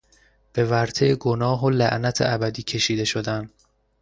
به ورطهی گناه و لعنت ابدی کشیده شدن